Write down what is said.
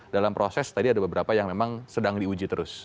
dalam proses tadi ada beberapa yang memang sedang diuji terus